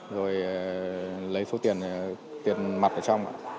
rồi lấy số tiền mặt ở trong